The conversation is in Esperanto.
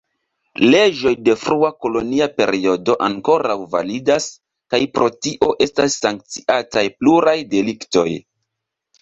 Leĝoj de frua kolonia periodo ankoraŭ validas kaj pro tio estas sankciataj pluraj deliktoj.